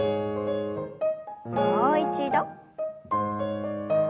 もう一度。